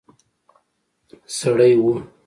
سړی وو.